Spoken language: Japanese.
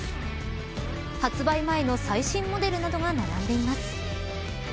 発売前の最新モデルなどが並んでいます。